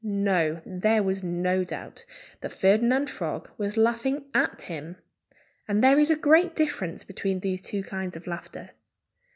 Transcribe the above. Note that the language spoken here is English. No! There was no doubt that Ferdinand Frog was laughing at him. And there is a great difference between these two kinds of laughter.